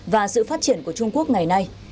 và sự phát triển của trung quốc ngày nay